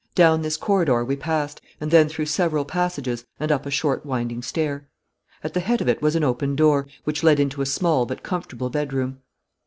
Down this corridor we passed, and then through several passages and up a short winding stair. At the head of it was an open door, which led into a small but comfortable bedroom.